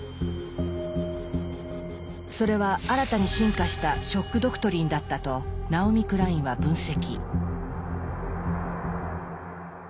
それは新たに進化した「ショック・ドクトリン」だったとナオミ・クラインは分析。